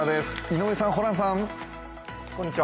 井上さん、ホランさん。